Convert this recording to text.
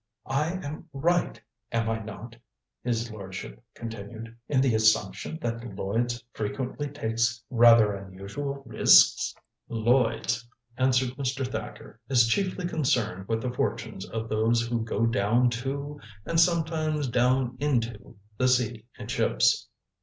"I am right, am I not," his lordship continued, "in the assumption that Lloyds frequently takes rather unusual risks?" "Lloyds," answered Mr. Thacker, "is chiefly concerned with the fortunes of those who go down to and sometimes down into the sea in ships.